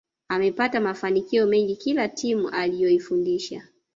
Amepata mafanikio mengi kila timu aliyoifundisha